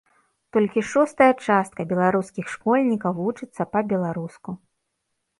Толькі шостая частка беларускіх школьнікаў вучыцца па-беларуску.